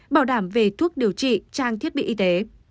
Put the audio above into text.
bảo đảm về thuốc điều trị trang thiết bị y tế